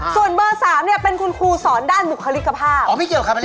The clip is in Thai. ส่วนเบอร์๓เป็นคุณครูสอนด้านบุคลิกภาพ